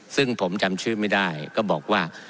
ซึ่งผมจำชื่อไม่ได้ก็บอกว่า